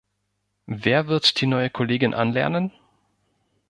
Wer wird die neue Kollegin anlernen?